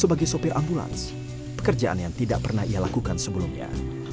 sebagai sopir ambulans pekerjaan yang tidak pernah ia lakukan sebelumnya